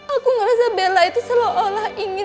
aku merasa bella itu selalu olah ingin